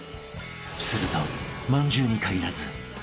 ［するとまんじゅうに限らず］